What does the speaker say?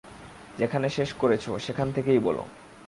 যেখানে শেষ করেছ, সেখান থেকেই বলো।